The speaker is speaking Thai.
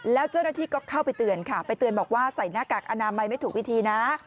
แล้วเจ้าหน้าที่ก็เข้าไปเตือนค่ะไปเตือนบอกว่าใส่หน้ากากอนามัยไม่ถูกวิธีนะ